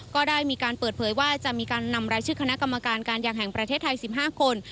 ก็ได้มีการเปิดเผยว่าจะมีการนำรายชื่อคณะกรรมการการยางแห่งประเทศไทย๑๕คน